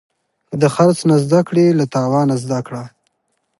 که د خرڅ نه زده کړې، له تاوانه زده کړه.